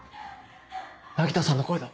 ・凪田さんの声だ！